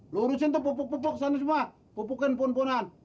lo urusin tuh pupuk pupuk sana semua pupukin pun punan